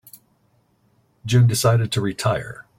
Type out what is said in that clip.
June decided to retire.